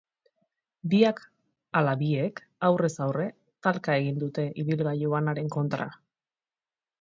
Biak ala biek aurrez aurre talka egin dute ibilgailu banaren kontra.